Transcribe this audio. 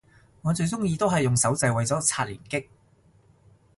我最鍾意都係用手掣為咗刷連擊